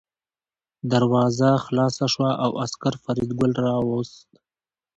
دروازه خلاصه شوه او عسکر فریدګل راوست